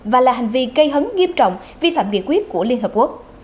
và là hành vi gây hấn nghiêm trọng vi phạm nghị quyết của liên hợp quốc